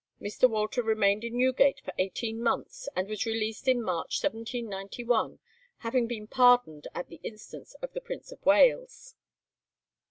Mr. Walter remained in Newgate for eighteen months, and was released in March 1791, having been pardoned at the instance of the Prince of Wales.